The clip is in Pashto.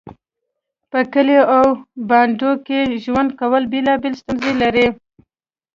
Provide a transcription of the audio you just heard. په کليو او بانډو کې ژوند کول بيلابيلې ستونزې لري